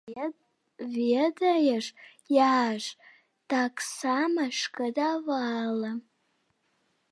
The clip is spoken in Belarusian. Ведаеш, я ж таксама шкадавала.